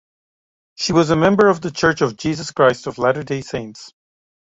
She was a member of The Church of Jesus Christ of Latter-day Saints.